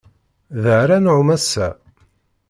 Da ara nɛum ass-a.